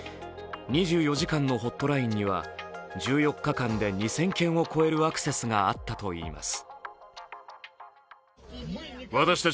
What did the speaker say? ２４時間のホットラインには１４日間で２０００件を超えるアクセスがあったといいます。